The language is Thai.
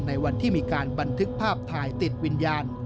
ในวันที่มีการบันทึกภาพถ่ายติดวิญญาณ